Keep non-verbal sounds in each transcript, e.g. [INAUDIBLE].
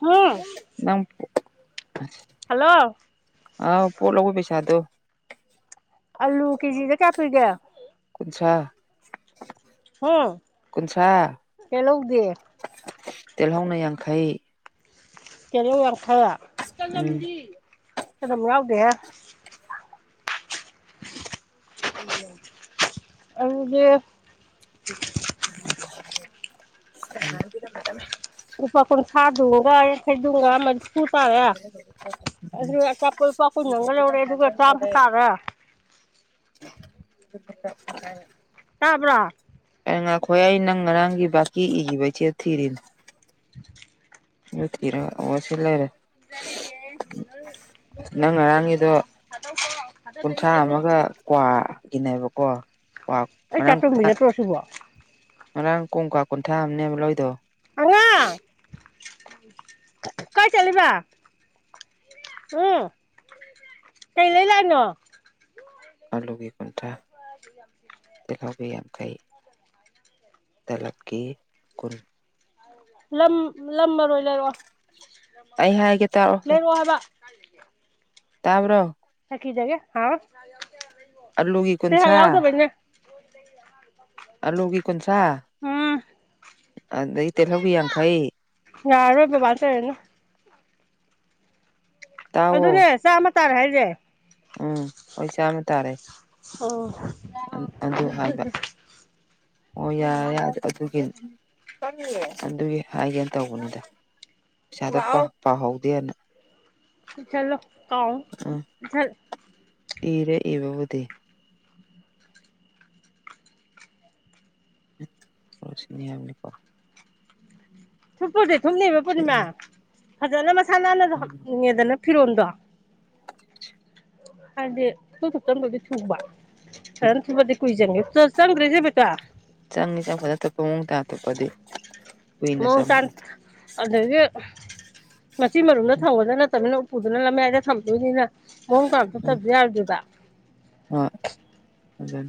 ꯎꯝ ꯅꯪ ꯍꯜꯂꯣ ꯑ ꯄꯣꯠ ꯂꯧꯕ ꯄꯩꯁꯥꯗ ꯑꯜꯂꯨ ꯀꯦꯖꯤꯗ ꯀꯌꯥ ꯄꯤꯒ ꯀꯨꯟꯊ꯭ꯔꯥ ꯎꯝ ꯀꯨꯟꯊ꯭ꯔꯥ ꯀ ꯂꯧꯗ ꯇꯦꯜꯍꯧꯅ ꯌꯥꯡꯈꯩ ꯀꯦꯔ ꯋꯥꯔꯊ ꯎꯝ ꯀꯗꯣ ꯃꯅꯥꯎꯒꯦ ꯑꯗꯨꯒꯤ ꯉꯗ ꯃꯥ ꯇꯃꯦ ꯎꯄꯥꯥꯈꯣꯟ ꯁꯥꯗꯨꯡꯒ ꯌꯥꯈꯥꯏꯗꯨꯡꯒ ꯁꯨ ꯇꯦ ꯑꯗꯨ ꯆ ꯀꯣꯏ ꯄ ꯀꯨ ꯅꯪꯒ ꯂꯧꯔꯦ ꯑꯗꯨꯒ ꯆꯥꯝ ꯇꯥꯗ ꯑꯗꯨꯠꯇ ꯇꯥꯕ꯭ꯔ ꯑ ꯉꯈꯣꯏ ꯑꯩ ꯅꯪ ꯉꯔꯥꯡꯒꯤ ꯕꯥꯀꯤ ꯏꯈꯤꯕ ꯏꯆꯦ ꯊꯤꯔꯤꯅꯦ [INAUDIBLE] ꯌ ꯊꯔ ꯋꯥ ꯁꯤ ꯂꯩꯔꯦ ꯅꯪ ꯖꯔꯤꯌꯦꯗ ꯉꯔꯥꯡꯒꯤꯗꯣ ꯊꯥꯗꯣꯛ꯭ꯔ ꯊꯥꯗꯗꯣꯏꯗꯤ ꯀꯨꯟꯊ꯭ꯔꯥ ꯀꯩꯅꯣ ꯑꯃꯒ ꯀ꯭ꯋꯥꯒꯤꯅꯦꯕꯀꯣ ꯀ꯭ꯋꯥ ꯑꯩ ꯉꯔꯥꯡ ꯆꯥꯠꯇꯕꯤꯗꯠꯇꯨꯔꯁꯤꯕꯣ ꯉꯔꯥꯡ ꯀꯣꯡꯀꯥ ꯀꯨꯟꯊ꯭ꯔ ꯑꯃꯅꯦꯕ ꯂꯧꯣꯏꯗꯣ ꯑꯉꯥꯡ ꯀꯥꯏ ꯆꯠꯂꯤꯕ ꯎꯝ ꯀꯩ ꯂꯩꯩ ꯂꯥꯛꯅꯣ ꯑꯂꯨꯒꯤ ꯀꯨꯟꯊꯔ ꯇꯤꯜꯍꯧꯒꯤ ꯌꯥꯡꯈꯩ ꯇꯂꯛꯀꯤ ꯀꯨꯟ ꯂꯝ ꯂꯝ ꯃꯔꯔꯣꯏ ꯂꯩꯔꯛꯑꯣ ꯑꯩ ꯍꯥꯏꯒꯦ ꯇꯥꯔꯛꯑꯣ ꯂꯩꯔꯛꯑꯣ ꯍꯥꯏꯕ ꯇꯥꯕ꯭ꯔꯣ ꯊꯀꯤꯖꯒꯦ ꯍꯥ ꯑꯂꯨꯒꯤ ꯇ ꯍꯥꯏꯌꯥ ꯑꯣꯗ ꯀꯨꯟꯊ꯭ꯔꯥ ꯐꯗꯤꯌꯥ ꯑꯗꯗꯒꯤ ꯇꯦꯜꯍꯧꯒꯤ ꯌꯥꯡꯈꯩ ꯌꯥꯔꯣꯏꯕ ꯄꯇꯔꯦꯅꯣ ꯑꯗꯨꯅꯦ ꯇꯥꯛꯑꯣ ꯆꯥꯝꯃ ꯇꯥꯔꯦ ꯍꯥꯏꯁꯦ ꯎꯝ ꯑꯣꯏꯣꯏ ꯆꯥꯃ ꯇꯥꯔꯦ ꯑꯣ ꯑꯗꯨ ꯍꯥꯏꯕ [INAUDIBLE] ꯑꯣ ꯌꯥꯔꯦ ꯌꯥꯔꯔꯦ ꯑꯗꯨꯒꯤ ꯑꯗꯨꯒꯤ ꯍꯥꯏꯒꯦꯅ ꯇꯧꯕꯅꯤꯗ ꯄꯩꯁꯥꯗ ꯄꯥꯎꯍꯧꯗꯦꯅ ꯆꯂꯣ ꯇꯥꯎ ꯆ ꯑꯦꯗꯤ ꯄꯣꯁꯤꯅꯤ ꯍꯥꯏ ꯑꯃꯅꯤꯅꯤꯀꯣ ꯊꯨꯞꯄꯁꯦ ꯊꯨꯞꯅꯕ ꯄꯨꯔꯅꯤꯃꯥ ꯐꯖꯅ ꯃꯁꯥ ꯅꯥꯟꯅꯗ ꯍꯅꯤꯡꯉꯦꯗꯅ ꯐꯤꯔꯣꯟꯗ ꯑꯗꯦ ꯁ ꯁꯞ ꯇꯝ ꯀꯗꯗꯤ ꯆꯨꯕ ꯀ ꯊꯕꯗꯤ ꯀꯨꯏꯖꯪ ꯆ ꯆꯪꯗ꯭ꯔꯦꯁꯦꯕꯀꯣ ꯆꯪꯉ ꯆꯪꯄꯗ ꯑꯇꯣꯞꯄ ꯃꯑꯣꯡꯗ ꯑꯇꯣꯞꯄꯗꯤ ꯃꯑꯣꯡ ꯍꯨꯏꯅꯁꯃ ꯇꯥꯟ ꯃꯁꯤ ꯃꯔꯨꯝꯗ ꯊꯝꯒꯗ ꯅꯠꯇ꯭ꯔꯅꯤꯅ ꯎꯄꯨꯗꯨꯅ ꯂꯝꯌꯥꯏꯗ ꯊꯝꯗꯣꯏꯅꯤꯅ ꯍꯣꯡꯗ ꯑꯗꯨꯠꯇ ꯎꯝ ꯌꯥꯔꯗꯨꯏꯕ ꯑꯗꯨ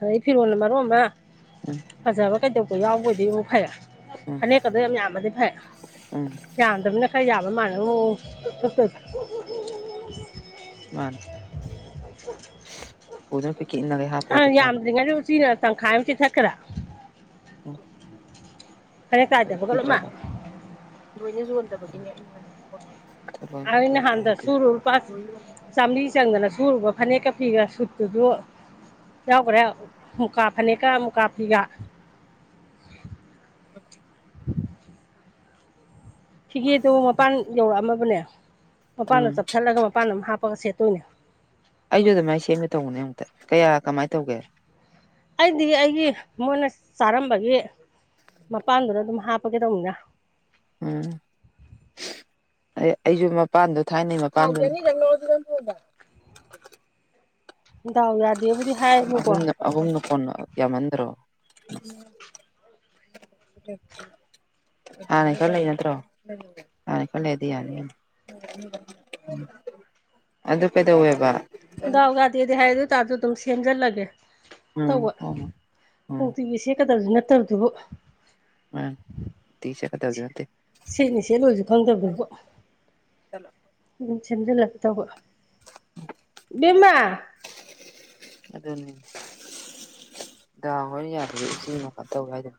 ꯑꯗꯩ ꯐꯤꯔꯣꯜꯅ ꯃꯔꯨꯞ ꯑꯃ ꯎꯝ ꯐꯖꯕ ꯀꯩꯗꯧꯕ ꯌꯥꯎꯕꯣꯏꯗꯣꯏ ꯐꯩ ꯎꯝ ꯐꯅꯦꯛꯀꯗꯣ ꯌꯥꯝ ꯌꯥꯝꯕꯗꯤ ꯐꯩ ꯎꯝ ꯌꯥꯝꯗꯕꯅ ꯈꯔ ꯌꯥꯕ ꯃꯥꯥꯟꯅ ꯃꯥ ꯄꯨꯗ ꯑ ꯌꯥꯝꯗ꯭ꯔꯤꯉꯩꯗ ꯎ ꯎꯆꯤꯅ ꯇꯪꯈꯥꯏ ꯑꯃꯇꯤꯊꯛꯈ꯭ꯔꯥ ꯎ ꯇꯥꯏꯗꯕꯒ ꯂꯣꯏꯃꯛ ꯂꯣꯏꯅ ꯌꯣꯟꯗꯕꯗꯤꯅꯦ ꯑ ꯅꯍꯥꯟꯗ ꯁꯨꯔꯨꯨꯄꯥ ꯂꯣꯏ ꯌꯣꯟꯗꯣꯏꯅꯦ ꯆꯥꯝꯃꯔꯤ ꯆꯪꯗꯅ ꯁꯨꯔꯨꯕ ꯐꯅꯦꯛꯀ ꯐꯒ ꯁꯨꯛꯇꯗꯣ ꯌꯥꯎꯈ꯭ꯔꯦ ꯃꯨꯀꯥ ꯐꯅꯤꯦꯛꯀ ꯃꯨꯀꯥ ꯐꯤꯒ [INAUDIBLE] ꯐꯤꯒꯦꯗꯨ ꯍꯥꯏꯇꯥꯔꯦ ꯃꯄꯥꯟ ꯌꯧꯔꯛꯑꯃꯕꯅꯦ ꯃꯄꯥꯟꯗ ꯎꯝ ꯆꯞꯊꯠꯂꯒ ꯃꯄꯥꯟ ꯑꯃꯝ ꯍꯥꯞꯄꯒ ꯁꯦꯠꯦ ꯑꯗꯨꯅꯣ ꯑꯩꯁꯨ ꯑꯗꯨꯃꯥꯏꯅ ꯁꯦꯝꯒꯦ ꯇꯧꯕꯅꯦ ꯑꯨꯛꯇ ꯀꯌꯥ ꯀꯃꯥꯏꯅ ꯇꯧꯒꯦ ꯑꯩꯗꯤ ꯑꯩꯒꯤ ꯃꯣꯏꯅ ꯆꯥꯔꯝꯕꯒꯤ ꯃꯄꯥꯟꯗꯨꯅ ꯑꯗꯨꯝ ꯍꯥꯞꯄꯒꯦꯗꯧꯅꯤꯅ ꯎꯝ ꯑꯩꯁꯨ ꯃꯄꯥꯟꯗꯣ ꯊꯥꯏꯅꯩ ꯃꯄꯥꯟꯗ [INAUDIBLE] ꯗꯥꯎ ꯌꯥꯗꯦꯕꯨꯗꯤ ꯑꯍꯨꯝ ꯍꯥꯏꯌꯦꯕꯀꯣ ꯑꯍꯨꯝꯅ ꯀꯣꯟꯅ ꯌꯥꯝꯃꯟꯗ꯭ꯔꯣ [INAUDIBLE] ꯍꯥꯟꯅ ꯈꯔ ꯂꯩ ꯅꯠꯇ꯭ꯔꯣ ꯍꯥꯟꯅꯩ ꯈꯔ ꯂꯩꯗꯤ ꯌꯥꯅꯤ ꯑꯗꯨ ꯀꯩꯗꯧꯋꯦꯕ ꯒꯥꯎ ꯗꯦꯗꯤ ꯍꯥꯏꯗ ꯑꯣꯏ ꯇꯁꯨ ꯑꯗꯨꯝ ꯁꯦꯝꯖꯤꯜꯂꯒꯦ ꯎꯝ ꯇꯧꯕ ꯍꯣꯏ ꯎꯝ ꯅꯨꯡꯇꯤꯒꯤ ꯁꯦꯀꯗꯕꯁꯨ ꯅꯠꯇꯕꯗꯨꯕꯨ ꯃꯥꯅꯤ ꯅꯨꯡꯇꯤꯒꯤ ꯆꯠꯀꯗꯕꯗꯤ ꯅꯠꯇꯦ ꯁꯤꯅꯤꯆꯦ ꯂꯣꯏꯁꯨ ꯈꯪꯗꯕꯗꯀꯣ ꯁꯦꯝꯖꯜꯂ ꯇꯧꯕ ꯕꯤꯃ ꯑꯗꯨꯅꯦ ꯗꯥ ꯍꯣꯏ ꯌꯥꯗ꯭ꯔꯗꯤ ꯎꯆꯤꯅ ꯀ ꯇꯧꯋꯦ ꯍꯥꯏꯗꯅ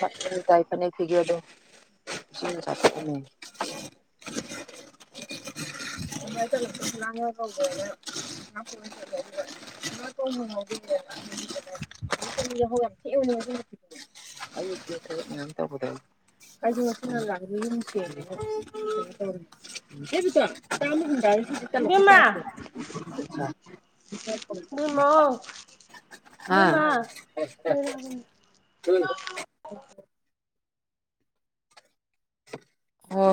ꯃ ꯀꯥꯏ ꯐꯅꯦꯦꯛ ꯇꯤꯒꯌꯣꯣ [UNINTELLIGIBLE] [INAUDIBLE] ꯅꯪ ꯍꯕꯣꯏꯦ [UNINTELLIGIBLE] ꯌꯥꯝ ꯊ ꯑꯌꯨꯛꯇ ꯇꯧꯕꯗ ꯀꯩ ꯋꯥꯁꯤꯔ ꯂꯒꯂꯤ ꯀꯃ ꯍꯗ ꯁꯤꯗꯤ ꯊꯂ ꯕꯦꯝꯃ ꯀꯌꯥꯁꯦ ꯃꯣ ꯑꯥ ꯃ ꯍ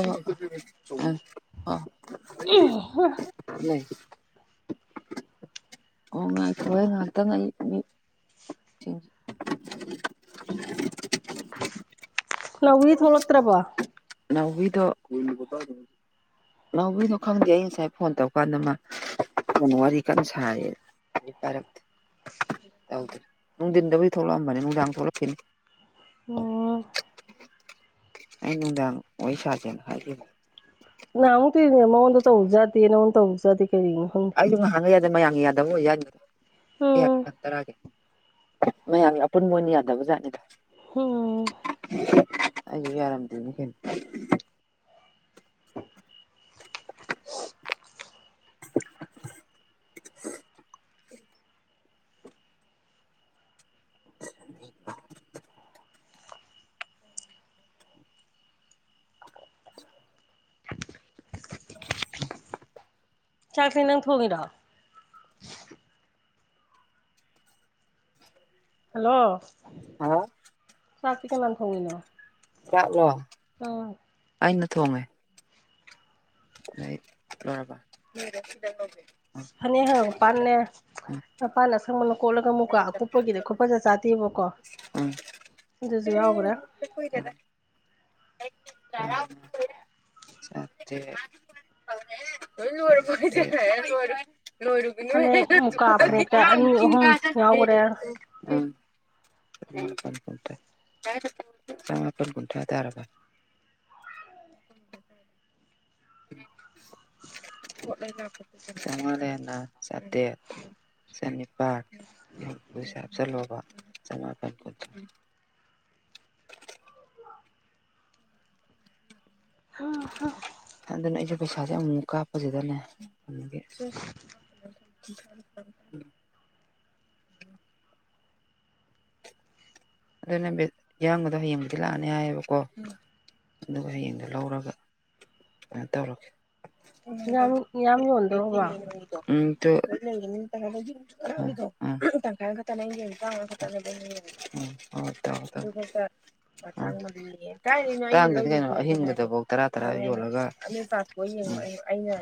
ꯍ ꯂꯩ ꯑꯣ ꯉꯥꯏ ꯏ ꯉꯇ ꯁꯤ ꯅꯧꯋ ꯊ ꯊꯣꯛꯣꯂꯛꯇ꯭ꯔꯕ ꯉꯧꯕꯒꯤꯗꯣ ꯈꯪꯗꯦ ꯑꯩ ꯉꯁꯥꯏ ꯐꯣꯟ ꯇꯧꯀꯥꯟꯗ ꯃꯥ ꯀꯅ ꯋꯥꯔꯤꯔꯤ ꯀꯥꯟꯅ ꯁꯔ ꯇ ꯅꯨꯡꯊꯤꯟꯗꯕꯨꯗꯤ ꯊꯣꯛꯂꯛꯑꯝꯕꯅꯤ ꯅꯨꯡꯗꯥꯡ ꯊꯣꯛꯂꯛꯈꯤꯅꯤ ꯎꯝ ꯑꯩ ꯅꯨꯅꯨꯡꯗꯥ ꯑꯣꯏ ꯁꯖꯦꯟ ꯍꯥꯏ ꯅ ꯇꯤ ꯅꯃ ꯑꯣꯟ ꯍꯧꯖꯥꯤꯩꯅꯣ ꯑꯣꯟ ꯍꯧꯖꯥꯇꯤ ꯑꯩꯗꯣ ꯉꯥꯏꯍꯥꯡꯉ ꯌꯥꯗꯦ ꯃꯌꯥꯝꯒꯤ ꯌꯥꯗꯕ ꯎꯝ ꯑꯣꯏꯖꯅꯤꯗ ꯇꯔꯒ ꯃꯌꯥꯝꯒꯤ ꯑꯄꯨꯟꯕ ꯑꯣꯏꯅ ꯌꯥꯗꯕ ꯖꯥꯠꯅꯤꯗ ꯑꯣꯝ ꯑꯩꯒꯤ ꯑꯔꯝꯗꯦꯟ [INAUDIBLE] [INAUDIBLE] ꯎ ꯆꯥꯛꯁꯤꯪ ꯊꯣꯡꯉ ꯔ ꯍꯜꯂꯣ ꯑ ꯆꯠ ꯀ ꯂꯟ ꯊꯣꯡꯉꯣꯏꯅ ꯂꯥꯛꯂꯣ ꯑꯩꯅ ꯊꯣꯡꯉꯦ ꯔꯕꯥ ꯐꯅꯤ ꯍꯪ ꯄꯥꯟꯅꯦꯄꯥꯥꯟꯅ ꯁꯪꯕ ꯀꯣꯠꯂꯒ ꯑꯃꯨꯛꯀ ꯀꯨꯞꯄꯒꯤꯗ ꯀꯨꯞꯄꯖꯠ ꯆꯥꯗꯦꯕꯀꯣ ꯑꯗꯨꯁꯨ ꯌꯥꯎꯒ꯭ꯔꯦ ꯏꯠꯇꯦꯄꯔꯗ [INAUDIBLE] [UNINTELLIGIBLE] ꯏꯅꯨꯄꯥꯗꯅꯨ ꯐꯅꯦꯛ ꯃꯨꯀꯥ ꯐꯅꯦꯛꯇ ꯑꯅꯤ ꯅꯣꯏꯔꯨꯕꯤ ꯅ ꯑꯍꯨꯝ ꯆ ꯌꯥꯎꯒ꯭ꯔꯦ ꯨꯟ ꯆꯉꯥꯏꯄ ꯀꯨꯟꯇꯦꯗꯔ [INAUDIBLE] ꯆꯉꯔꯦ ꯆꯇꯦ ꯆꯅꯤꯄꯥꯜ ꯍꯨꯝꯐꯨ ꯁꯥ ꯍꯥꯞꯆꯜꯂꯣꯕ ꯆꯃꯥꯄꯟ ꯀꯨꯟꯊ꯭ꯔꯥ [INAUDIBLE] ꯍ ꯍ ꯑꯗꯨꯅ ꯑꯩꯁꯦ ꯄꯩꯁꯥꯁꯦ ꯑꯃꯨꯛꯃꯨꯛ ꯀꯥꯞꯄꯁꯤꯗꯅꯦꯒꯤ [INAUDIBLE] ꯑꯗꯨꯅ ꯃꯤꯠ ꯌꯥꯡꯕꯗꯣ ꯍꯌꯦꯡꯕꯨꯗꯤ ꯂꯥꯛꯑꯅꯤ ꯍꯥꯏꯌꯦꯕꯀꯣ ꯑꯗꯨꯒ ꯍꯌꯦꯡꯗꯣ ꯂꯧꯔꯒ ꯀꯩꯅ‌ꯣ ꯇꯧꯔꯀꯦ ꯌꯥꯝ ꯌꯥꯝ ꯌꯣꯟꯗꯣꯔꯕꯣ [UNINTELLIGIBLE] ꯎꯝ ꯇ‌ꯣ [UNINTELLIGIBLE] ꯇꯪꯈꯥꯏ ꯈꯛꯇꯅꯦ ꯑꯩꯟ ꯌ‌ꯦꯡꯉꯤꯗ‌ꯣ [UNINTELLIGIBLE] [UNINTELLIGIBLE] ꯇꯥꯡꯗꯗꯤ ꯀꯩꯅꯣ ꯑꯍꯤꯡꯒꯗꯐꯧ ꯇꯔꯥ ꯇꯔꯥ [UNINTELLIGIBLE] ꯄꯥꯊꯣꯛꯑ ꯌꯦꯡꯉ ꯑꯩꯅ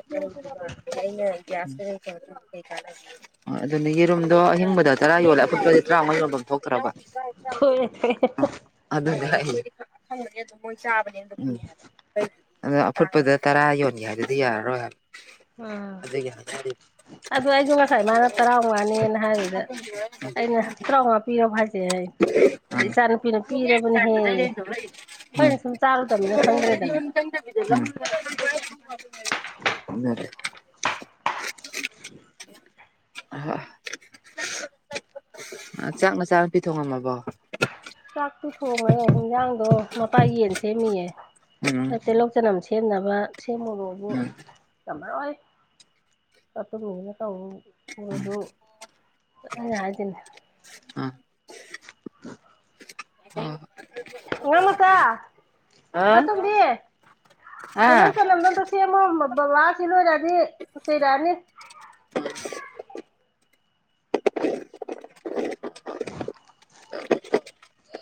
ꯑꯩꯅ ꯒ꯭ꯌꯥꯁ ꯀꯩ ꯀꯩ ꯑꯗꯨꯅ ꯌꯦꯔꯨꯝꯗꯣ ꯑꯍꯤꯡꯕꯗ ꯇꯔꯥ ꯌꯣꯜꯂꯦ ꯑꯐꯨꯠꯄꯗꯤ ꯇꯔꯥꯃꯉꯥ ꯌꯣꯟꯐꯝ ꯊꯣꯛꯇ꯭ꯔꯕ ꯊꯣꯛꯑꯦ ꯊꯣꯛꯑꯦ [UNINTELLIGIBLE] ꯈꯪꯕꯅꯤ ꯑꯗꯨꯝ ꯃꯣꯏ ꯆꯥꯕꯅꯦꯅ ꯍꯥꯏꯕ ꯑꯗ ꯑꯐꯨꯠꯄꯗ ꯇꯔꯥ ꯌꯣꯟꯒꯦ ꯍꯥꯏꯗꯨꯗꯤ ꯌꯥꯔꯔꯣꯏ ꯎꯝ ꯍꯥꯏꯕ ꯑꯗꯨ ꯑꯩꯁꯨ ꯉꯁꯥꯏ ꯃꯥꯅ ꯇꯔꯥꯎꯉꯥꯅꯦꯅ ꯍꯥꯏꯕꯗꯨꯗ ꯑꯩꯅ ꯇꯔꯥꯎꯉꯥ ꯄꯤꯔꯕ‌ꯣ ꯍꯥꯏꯁꯦ ꯍꯥꯏ ꯑꯗ ꯏꯆꯥ ꯅꯨꯨꯄꯤꯅ ꯄꯤꯔꯕꯅꯤꯍꯦ ꯑꯩꯈꯣꯏꯅ ꯁꯨꯝ ꯆꯥꯔꯨꯗꯕꯅꯤ ꯈꯪꯗ꯭ꯔꯦꯗꯅ ꯎꯝ [UNINTELLIGIBLE] ꯑꯍꯣꯏ ꯆꯥꯛ ꯅꯆꯥꯅ ꯅꯨꯄꯤ ꯊꯣꯡꯉꯝꯃꯕ ꯆꯥꯛꯇꯤ ꯊꯣꯡꯉꯦ ꯍꯤꯟꯖꯥꯡꯗꯣ ꯃꯄꯥ ꯌꯦꯟ ꯁꯦꯝꯃꯤꯌꯦ ꯎꯝ ꯑꯩ ꯇꯤꯜꯂꯧ ꯆꯅꯝ ꯁꯦꯝꯅꯕ ꯁꯦꯝꯃꯨꯔꯣꯕꯨ ꯎꯝ ꯉꯝꯃꯔꯣꯏ ꯆꯞꯄꯅ [UNINTELLIGIBLE] ꯍꯥꯏꯁꯤꯅꯤ [INAUDIBLE] ꯎꯝ ꯑꯉꯥꯡꯃꯆꯥ ꯏꯆꯥ ꯇ‌ꯣꯝꯕꯤ ꯇꯤꯂꯧ ꯆꯅꯝꯗꯣ ꯑꯝꯇ ꯁꯦꯝꯃꯣ ꯕꯕꯥꯁꯤ ꯂꯣꯏꯔꯛꯑꯗꯤ ꯆꯩꯔꯛꯑꯅꯤ ꯑ [INAUDIBLE] [INAUDIBLE] [UNINTELLIGIBLE]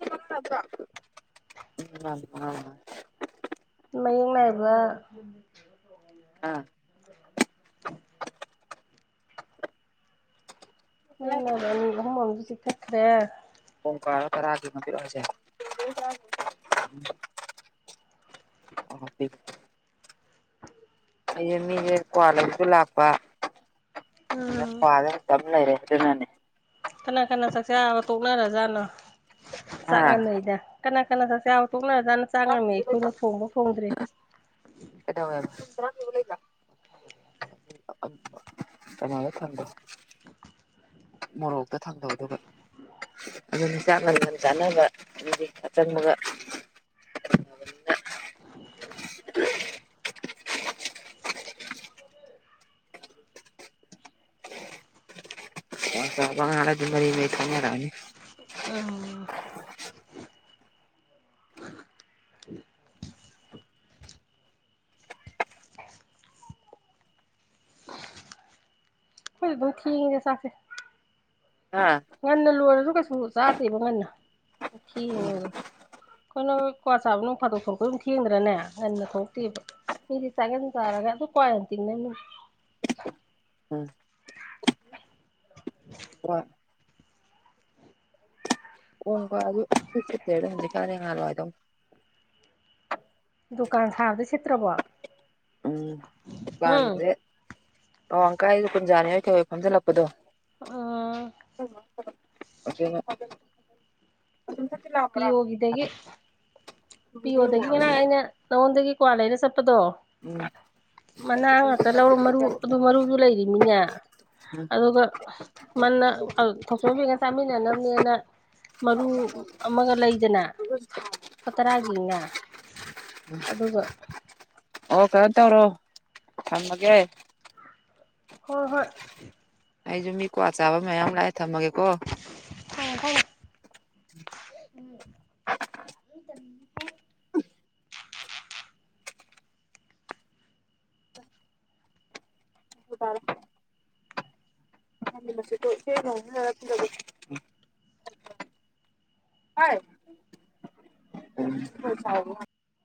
ꯇꯥꯕ꯭ꯔ‌ꯣ [UNINTELLIGIBLE] ꯃꯌꯦꯛ ꯅꯥꯏꯕ ꯑꯥ [INAUDIBLE] [UNINTELLIGIBLE] ꯑꯅꯤ ꯑꯍꯨꯃ ꯑꯃꯁꯨ ꯆꯤꯛꯊꯠ ꯈ꯭ꯔꯦ ꯀꯣꯡ ꯀꯋꯥꯔ ꯇꯔꯥꯒꯤ ꯑꯃ ꯄꯤꯌꯨ ꯍꯥꯏꯁꯦ [UNINTELLIGIBLE] ꯑꯩꯁꯦ ꯃꯤꯒꯤ ꯀ꯭ꯋꯥ ꯂꯩꯕꯁꯨ ꯂꯥꯛꯄ ꯑꯗ ꯎꯝ ꯀ꯭ꯋꯥꯗ ꯇꯝ ꯂꯩꯔꯦ ꯑꯗꯨꯅꯅ‌ꯦ ꯀꯅꯥ ꯀꯅꯥ ꯆꯥꯛꯆꯥꯕ ꯇꯣꯛꯅꯔꯖꯥꯠꯅꯣ ꯍꯥ ꯆꯥꯛ ꯉꯟꯅꯩꯗ ꯀꯅꯥ ꯀꯅꯥ ꯆꯥꯛ ꯆꯥ ꯇ‌ꯣꯛꯅ [UNINTELLIGIBLE] ꯑꯩꯈꯣꯏꯅ ꯊ‌ꯣꯡꯕ‌ꯎ ꯊ‌ꯣꯡꯗ꯭ꯔꯤ ꯀꯩꯗꯧꯋꯦꯕ [UNINTELLIGIBLE] ꯃꯣꯔꯣꯛꯇ ꯊꯥꯡꯗꯧ ꯑꯗꯨꯒ ꯑꯗꯨꯅꯤ ꯆꯥꯛ ꯉꯟ ꯉꯟ ꯆꯥꯅꯕ ꯑꯗꯨꯗꯤ ꯌꯥꯆꯪꯕꯒ ꯀꯋꯥ ꯆꯥꯕ ꯉꯥꯛ ꯑꯗꯨ ꯃꯔꯤ ꯃꯔꯤ ꯊ‌ꯣꯛꯅꯔꯅꯤ ꯎꯝ [INAUDIBLE] ꯑꯩꯈ‌ꯣꯏꯗꯤ ꯑꯗꯨꯝ ꯊ‌ꯦꯡꯉꯤꯗ ꯆꯥꯛꯁꯤ [INAUDIBLE] ꯂꯣꯏꯔꯁꯨ ꯀꯩꯁꯨ ꯆꯥꯗꯦꯕ ꯉꯟꯅ ꯊꯦꯡꯉꯦꯕ ꯑꯗꯨꯝ ꯑꯩꯈꯣꯏꯅ ꯀ꯭ꯋꯥ ꯆꯥꯕ ꯅꯣꯡ ꯐꯥꯗꯣꯛ ꯊꯣꯛꯂꯛꯄꯗꯨ ꯑꯗꯨꯝ ꯊꯦꯡꯗ꯭ꯔꯅꯦ ꯉꯟꯅ ꯊꯣꯛꯇꯦꯕ ꯃꯤꯗꯤ ꯆꯥꯛꯉꯟ ꯆꯔ ꯑꯗꯨ ꯀꯋꯥ ꯌꯥꯝ ꯇꯤꯡꯅꯝꯅꯤ ꯎꯝ ꯋꯥ ꯑꯣꯡꯕꯣ ꯑꯗꯨꯠ ꯆꯠꯇꯂꯦ ꯑꯗꯨꯝꯗꯤ ꯈꯥꯗ ꯉꯥꯜꯂꯣ ꯑꯗꯨꯝ ꯗꯨꯀꯥꯟ ꯁꯥꯕꯗ ꯁꯤꯠꯇ꯭ꯔꯕꯣ ꯍꯨꯝ ꯥꯗꯔ꯭ꯦ ꯑꯋꯥꯡꯀꯥꯏꯗ ꯀꯨꯟꯖꯥꯅꯤ ꯍꯣꯏ ꯐꯝꯖꯤꯜꯂꯛꯄꯗꯣ ꯎꯝ ꯑꯗꯨꯅ ꯄꯤꯌ ꯑꯣꯒꯤꯗꯒꯤ ꯄꯤꯌ ꯑꯣꯗꯒꯤ ꯉꯅꯥ ꯑꯩꯅ ꯅꯉꯣꯟꯗꯒꯤ ꯀ꯭ꯋꯥ ꯂꯩꯅ ꯆꯠꯄ ꯆꯠꯄꯗꯣ ꯎꯝ ꯃꯅꯥ ꯉꯥꯛꯇ ꯂꯧꯔꯣ ꯃꯔꯨ ꯑꯗꯨ ꯃꯔꯨꯗꯨ ꯂꯩꯔꯤꯃꯤꯅꯦ ꯑꯗꯨꯒ ꯃꯟꯅ ꯊꯣꯛꯆꯄꯤꯒ ꯆꯥꯃꯤꯟꯅꯅꯕꯅꯦꯅ ꯃꯔꯨ ꯑꯃꯒ ꯂꯩꯗꯅ ꯇꯔꯥꯒꯤꯅ ꯑꯗꯨꯒ ꯑꯣ ꯀꯩꯅꯣꯝ ꯇꯧꯔꯣ ꯊꯝꯃꯒꯦ ꯍꯣꯏ ꯍꯣꯏ ꯑꯩꯁꯨ ꯃꯤꯀꯣ ꯆꯥꯕ ꯃꯌꯥꯝ ꯂꯥꯛꯑꯦ ꯊꯝꯃꯒꯦꯀꯣ ꯈ ꯐꯣꯏ ꯎꯝ ꯎꯝ ꯇꯔ ꯍꯁꯖ ꯍ [INAUDIBLE]